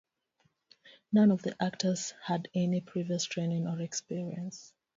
None of the actors had any previous training or experience.